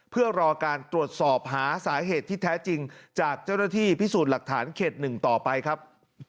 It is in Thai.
เพื่อรอการตรวจสอบหาสาเหตุที่แท้จริงจากเจ้าหน้าที่พิสูจน์หลักฐานเขต๑ต่อไปครับ